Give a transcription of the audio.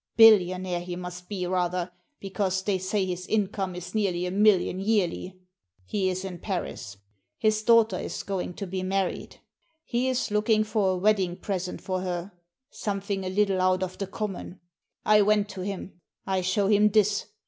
Billionaire he must be, rather, because they say his income is nearly a million yearly. He is in Paris. His daughter is going to be married. Digitized by VjOOQIC THE DIAMONDS 207 He is looking for a wedding present for her ; some thing a little out of the common. I went to him. I show him this.